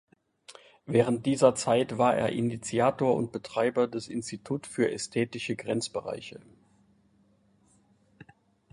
Während dieser Zeit war er Initiator und Betreiber des "Institut für ästhetische Grenzbereiche".